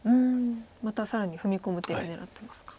また更に踏み込む手を狙ってますか。